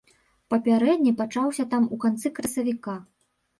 Папярэдні пачаўся там у канцы красавіка.